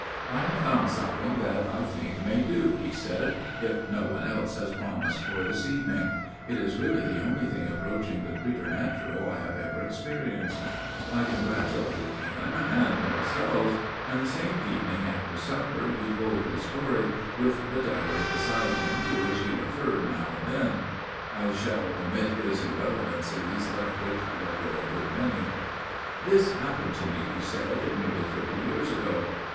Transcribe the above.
" I have found something that I think may do," he said, " if no one else has promised for this evening. It is really the only thing approaching the preternatural I have ever experienced." I congratulated him and ourselves ; and the same evening after supper he told his story, with the diary beside him to which he referred now 71 72 A MIRROR OF SHALOTT and then. (I shall omit his irrelevancies, of which there were a good many.) " This happened to me," he said, " nearly thirty years ago.